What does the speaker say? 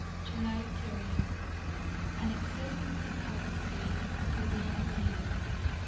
July 30. An excessively hot day, with no wind.